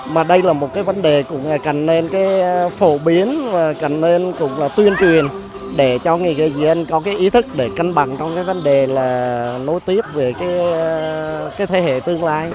mà đây là một cái vấn đề cũng cần nên phổ biến và cần nên cũng là tuyên truyền để cho người dân có cái ý thức để canh bằng trong cái vấn đề là nối tiếp với cái thế hệ tương lai